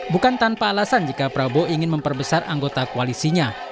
bukan tanpa alasan jika prabowo ingin memperbesar anggota koalisinya